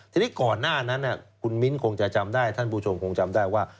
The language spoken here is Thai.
ทีนี้ก่อนหน้านั้นคุณมิ้นคงจะจำได้ท่านผู้ชมคงจำได้ว่า